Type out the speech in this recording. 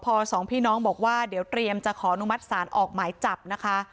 พอสองพี่น้องบอกว่าเดี๋ยวเตรียมจะขออนุมัติศาลออกหมายจับนะคะ